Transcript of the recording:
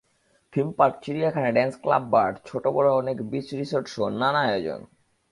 Theme park, চিড়িয়াখানা, dance club, bar, ছোটবড় অনেক বিচ রিসোর্টসহ নানা আয়োজন।